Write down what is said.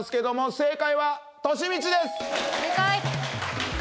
正解！